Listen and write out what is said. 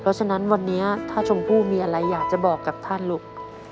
เพราะฉะนั้นวันนี้ถ้าชมพู่มีอะไรอยากจะบอกกับท่านลูก